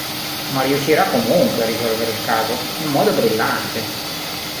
Ma riuscirà comunque a risolvere il caso in modo brillante.